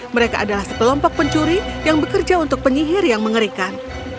mereka adalah sekelompok pencuri yang bekerja untuk penyihir yang mengerikan